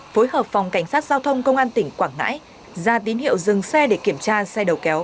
phối hợp phòng cảnh sát giao thông công an tỉnh quảng ngãi ra tín hiệu dừng xe để kiểm tra xe đầu kéo